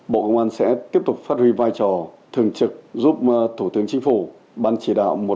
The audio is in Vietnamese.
bộ công an sẽ tiếp tục phát huy vai trò thường trực giúp thủ tướng chính phủ ban chỉ đạo một trăm một mươi tám